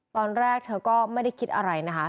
ตอนแรกเธอก็ไม่ได้คิดอะไรนะคะ